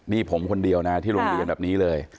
นี่ผมคนเดียวนะที่โรงเรียนแบบนี้เลย